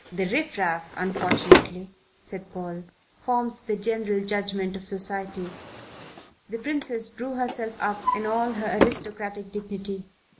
"The riff raff, unfortunately," said Paul, "forms the general judgment of society." The Princess drew herself up in all her aristocratic dignity.